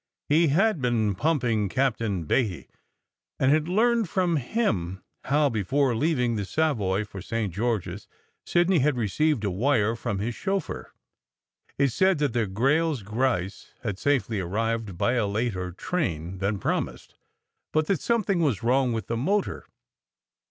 He had been pumping Captain Beatty, and had learned from him how, before leaving the Savoy for St. George s, Sidney had received a wire from his chauffeur. It said that the Grayles Grice had safely arrived by a later train than promised, but that something was wrong with the motor.